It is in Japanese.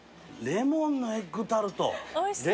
レモンのエッグタルト。